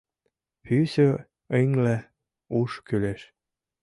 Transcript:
Пӱсӧ-ыҥле уш кӱлеш